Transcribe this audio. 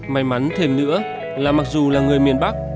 may mắn thêm nữa là mặc dù là người miền bắc